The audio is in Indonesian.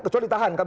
kecuali ditahan kan